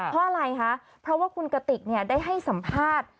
เพราะอะไรคะเพราะว่าคุณกติกได้ให้สัมภาษณ์